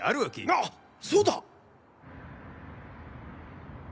あっそうだ！